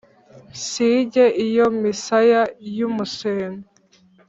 nsige iyo misaya y'umuseno